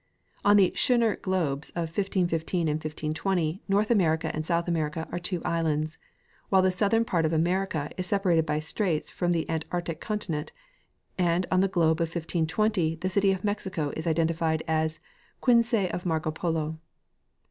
On the Schoner globes of 1515 and 1520 North America and South America are two islands, while the southern part of "America " is separated by straits from an Antarctic continent, and on the globe of 1520 the city of Mexico is identified as the Quinsay of Marco Polo.